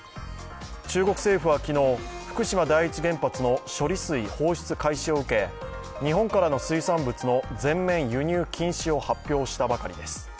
中国政府は昨日、福島第一原発の処理水放出開始を受け日本からの水産物の全面輸入禁止を発表したばかりです。